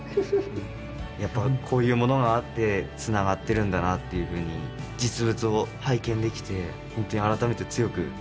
やっぱこういうものがあってつながってるんだなっていうふうに実物を拝見できてほんとに改めて強く実感しました。